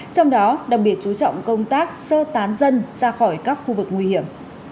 trong đó đặc biệt chú trọng công tác sơ tán dân ra khỏi các khu vực nguy hiểm